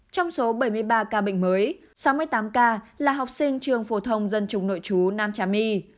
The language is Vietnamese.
trong số bảy mươi ba ca bệnh mới sáu mươi tám ca là học sinh trường phổ thông dân trùng nội chú nam trà my